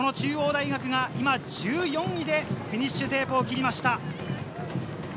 中央大学が今１４位でフィニッシュテープを切りました。